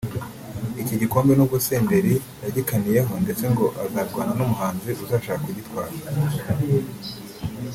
Iki gikombe nubwo na Senderi yagikaniye ndetse ngo azarwana n’umuhanzi uzashaka kugitwara